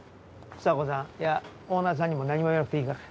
房子さんいやオーナーさんにも何も言わなくていいから。